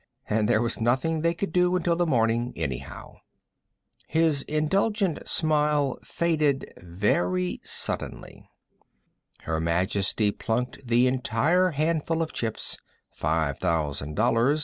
And there was nothing they could do until the next morning, anyhow. His indulgent smile faded very suddenly. Her Majesty plunked the entire handful of chips _five thousand dollars!